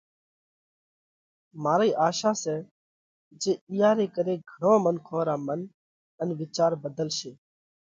مارئِي آشا سئہ جي اِيئا ري ڪري گھڻون منکون را منَ ان وِيچار ڀڌلشي۔